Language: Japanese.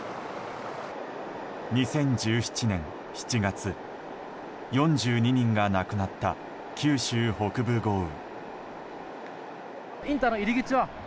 ２０１７年７月４２人が亡くなった九州北部豪雨。